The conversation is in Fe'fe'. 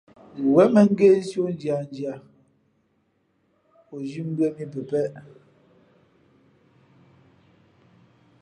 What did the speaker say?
Wěn mᾱ ngēsī o ndiandia o zhī mbʉ̄ᾱ mǐ pəpēʼ.